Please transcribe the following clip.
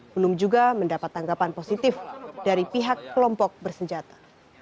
belum juga mendapat tanggapan positif dari pihak kelompok bersenjata